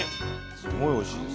すごいおいしいです。